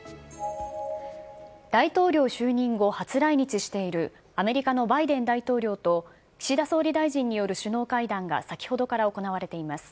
大統領就任後、初来日しているアメリカのバイデン大統領と岸田総理大臣による首脳会談が先ほどから行われています。